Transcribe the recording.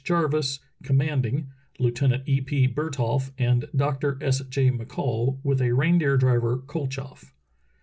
Jarvis, commanding. Lieutenant E. P. Bertholf, and Dr. S. J. McCall, with a reindeer driver, Koltchoff.